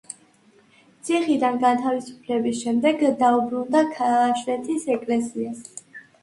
ციხიდან განთავისუფლების შემდეგ დაუბრუნდა ქაშვეთის ეკლესიას.